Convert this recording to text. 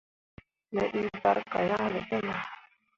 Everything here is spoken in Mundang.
Me dii barka yan ɓe te nah.